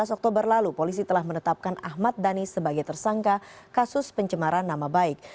dua belas oktober lalu polisi telah menetapkan ahmad dhani sebagai tersangka kasus pencemaran nama baik